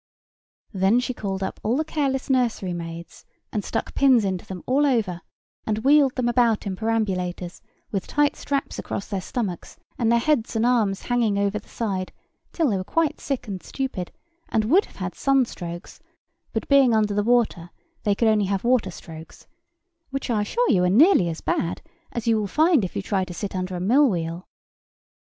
Then she called up all the careless nurserymaids, and stuck pins into them all over, and wheeled them about in perambulators with tight straps across their stomachs and their heads and arms hanging over the side, till they were quite sick and stupid, and would have had sun strokes: but, being under the water, they could only have water strokes; which, I assure you, are nearly as bad, as you will find if you try to sit under a mill wheel.